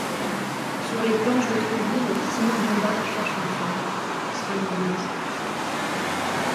Sur les planches de Trouville, Simon Bombard cherche une femme, Ce sera une Anglaise...